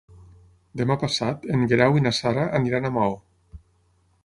Demà passat en Guerau i na Sara aniran a Maó.